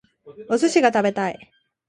お寿司が食べたい